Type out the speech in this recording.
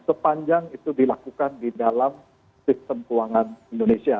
sepanjang itu dilakukan di dalam sistem keuangan indonesia